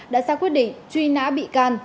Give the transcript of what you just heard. đã ra quyết định truy nã bị can